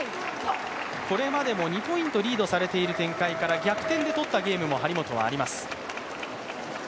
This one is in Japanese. これまでも２ポイントリードされている展開から逆転でとったゲームも張本はあります。